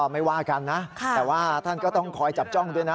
ไม่ว่ากันนะแต่ว่าท่านก็ต้องคอยจับจ้องด้วยนะ